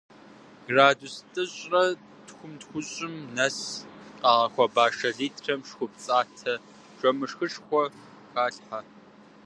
Градус плӏыщӏрэ тхум-тхущӏым нэс къэгъэхуэба шэ литрэм шху пцӏатэ бжэмышхышхуэ хэлъхьэ.